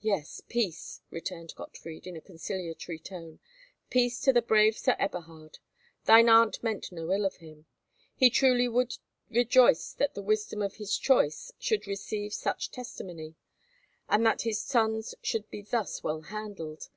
"Yes, peace," returned Gottfried in a conciliatory tone,—"peace to the brave Sir Eberhard. Thine aunt meant no ill of him. He truly would rejoice that the wisdom of his choice should receive such testimony, and that his sons should be thus well handled.